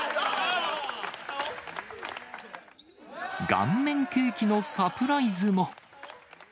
顔面ケーキのサプライズも。